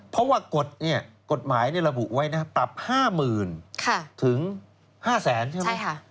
เพราะว่ากฎหมายระบุไว้ตับ๕๐๐๐๐ถึง๕๐๐๐๐๐ใช่ไหม